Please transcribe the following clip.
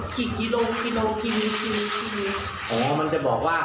กี่กิโลบุคคิแล้วพี่นิ้วทีมิวมันจะบอกว่า